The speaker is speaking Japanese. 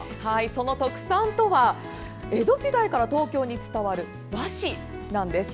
その特産とは江戸時代から東京に伝わる和紙なんです。